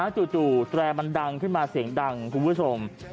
จู่แตรมันดังขึ้นมาเสียงดังคุณผู้ชม